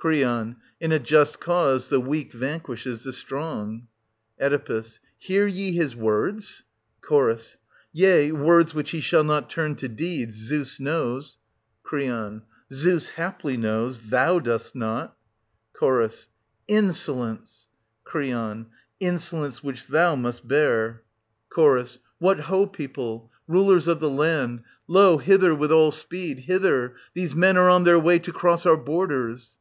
Cr. In a just cause the weak vanquishes the 8S0 strong. Oe. Hear ye his words ? Ch. Yea, words which he shall not turn to deeds, Zeus knows ! Cr. Zeus haply knows — thou dost not. Ch. Insolence! Cr. Insolence which thou must bear. 94 SOPHOCLES, [884—909 Ch. What ho, people, rulers of the land, ho, hither with all speed, hither ! These men are on their way to cross our borders